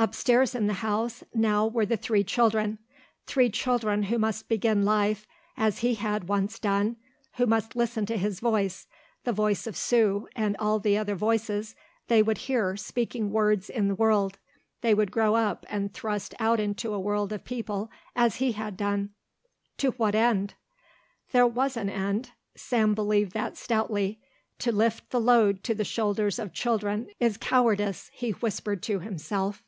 Upstairs in the house now were the three children, three children who must begin life as he had once done, who must listen to his voice, the voice of Sue and all the other voices they would hear speaking words in the world. They would grow up and thrust out into a world of people as he had done. To what end? There was an end. Sam believed that stoutly. "To shift the load to the shoulders of children is cowardice," he whispered to himself.